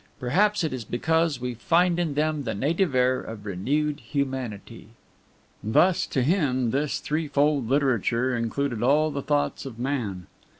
Perhaps it is because we find in them the native air of renewed humanity." Thus, to him, this threefold literature included all the thoughts of man.